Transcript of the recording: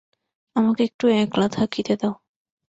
আমাকে একটু একলা থাকিতে দাও।